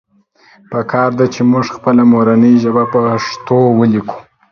پکار ده چې مونږ خپله مورنۍ ژبه پښتو وليکو